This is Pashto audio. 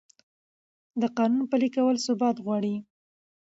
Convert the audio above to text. د قانون پلي کول ثبات غواړي